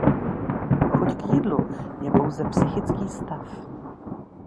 Chuť k jídlu je pouze psychický stav.